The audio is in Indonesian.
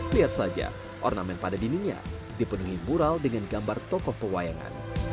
lihat saja ornamen pada dindingnya dipenuhi mural dengan gambar tokoh pewayangan